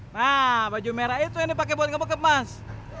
nah baju merah itu yang dipake buat ngebekep mas